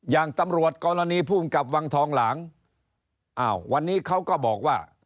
อย่างตำรวจกรณีภูมิกับวังทองหลางอ้าววันนี้เขาก็บอกว่า